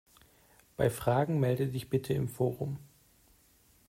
Bei Fragen melde dich bitte im Forum!